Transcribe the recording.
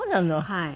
はい。